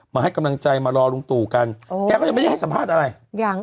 มาให้กำลังใจมารอลุงตู่กันโอ้แกก็ยังไม่ได้ให้สัมภาษณ์อะไรยัง